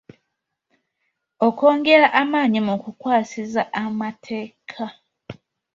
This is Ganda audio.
Okwongera amaanyi mu kukwasisa amateeka.